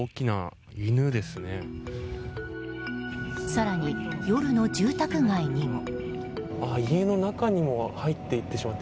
更に、夜の住宅街にも。